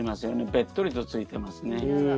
べっとりとついてますね。